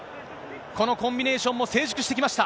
このコンビネーションも成熟してきました。